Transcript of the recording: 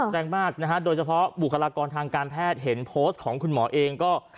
แรงมากนะฮะโดยเฉพาะบุคลากรทางการแพทย์เห็นโพสต์ของคุณหมอเองก็